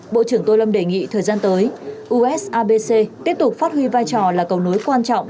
bộ trưởng tô lâm đề nghị thời gian tới usabc tiếp tục phát huy vai trò là cầu nối quan trọng